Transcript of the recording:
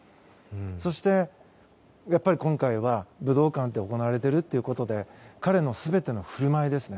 そしてやっぱり今回は武道館で行われているということで彼の全ての振る舞いですね。